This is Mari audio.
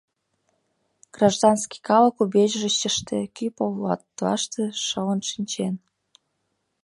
Гражданский калык убежищыште, кӱ полатлаште шылын шинчен.